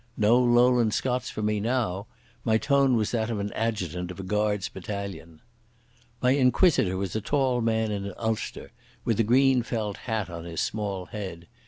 No Lowland Scots for me now. My tone was that of an adjutant of a Guards' battalion. My inquisitor was a tall man in an ulster, with a green felt hat on his small head.